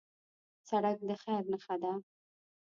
سړک د خیر نښه ده.